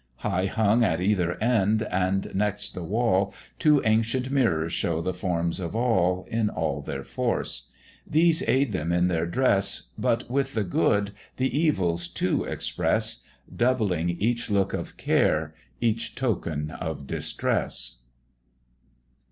High hung at either end, and next the wall, Two ancient mirrors show the forms of all, In all their force; these aid them in their dress, But with the good, the evils too express, Doubling each look of care, each token of distress.